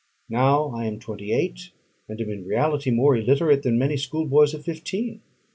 Now I am twenty eight, and am in reality more illiterate than many schoolboys of fifteen.